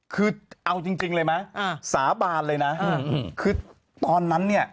คือเอาจริงเลยมั้ยอ่าสาบานเลยน่ะอืมอืมคือตอนนั้นเนี้ย